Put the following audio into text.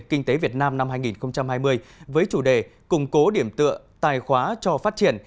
kinh tế việt nam năm hai nghìn hai mươi với chủ đề củng cố điểm tựa tài khóa cho phát triển